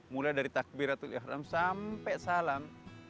mulai dari takbiratul ikhram sampai salam